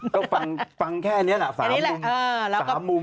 ก็ฟังแค่นี้น่ะ๓มุม